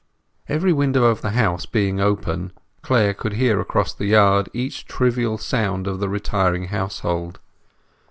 Every window of the house being open, Clare could hear across the yard each trivial sound of the retiring household.